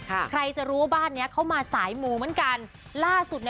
ใครจะรู้บ้านนี้เขามาสายหมูเหมือนกัน